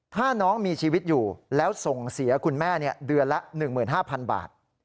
ถ้าน้องมีชีวิตอยู่แล้วส่งเสียคุณแม่เดือนละ๑๕๐๐๐บาท